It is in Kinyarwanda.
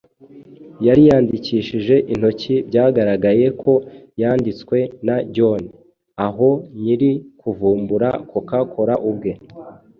yari yandikishije intoki byagaragaye ko yanditswe na John ,aho nyiri kuvumbura coca cola ubwe